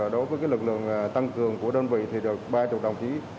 đối với lực lượng tăng cường của đơn vị thì được ba mươi đồng chí